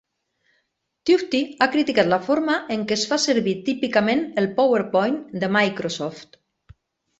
Tufte ha criticat la forma en que es fa servir típicament el PowerPoint de Microsoft.